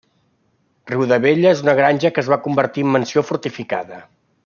Riudabella és una granja que es va convertir en mansió fortificada.